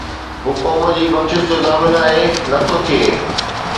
هو قوم جي بخشش جو ضامن آهي، نه ٿو ٿئي